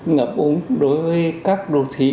ngập úng đối với các đô thị